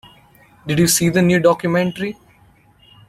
Did you see the new documentary?